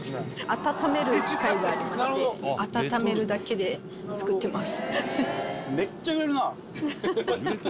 温める機械がありまして温めるだけで作ってます。